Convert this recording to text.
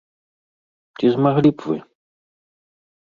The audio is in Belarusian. Ці змаглі б вы?